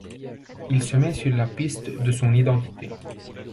Il se met sur la piste de son identité.